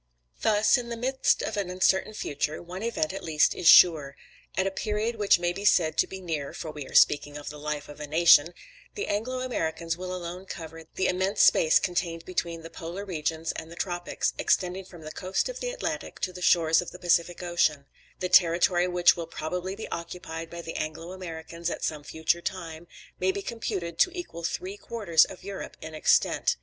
"Thus, in the midst of the uncertain future, one event at least is sure. At a period which may be said to be near (for we are speaking of the life of a nation), the Anglo Americans will alone cover the immense space contained between the Polar regions and the Tropics, extending from the coast of the Atlantic to the shores of the Pacific Ocean; the territory which will probably be occupied by the Anglo Americans at some future time, may be computed to equal three quarters of Europe in extent.